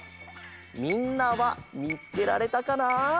みんなはみつけられたかな？